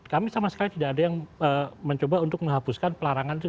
kami sama sekali tidak ada yang mencoba untuk menghapuskan pelarangan itu